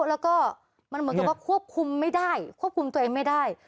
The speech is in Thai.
แล้วก็มันเหมือนกับว่าควบคุมไม่ได้ควบคุมตัวเองไม่ได้